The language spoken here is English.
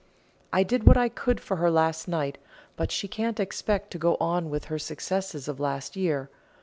I did what I could for her last night, but she can't expect to go on with her successes of last year.